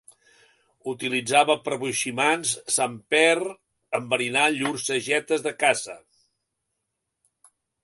Utilitzada pels boiximans San per enverinar llurs sagetes de caça.